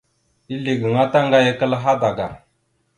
Ezle gaŋa taŋgayakal hadaga.